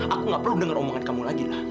aku gak perlu dengar omongan kamu lagi lah